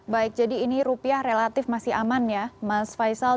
baik jadi ini rupiah relatif masih aman ya mas faisal